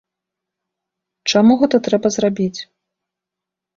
Чаму гэта трэба зрабіць?